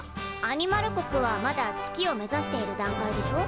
アニマル国はまだ月を目指している段階でしょ？